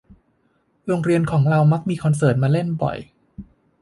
โรงเรียนของเรามักมีคอนเสิร์ตมาเล่นบ่อย